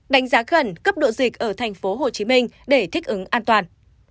đánh giá khẩn cấp độ dịch ở tp hcm để thích ứng an toàn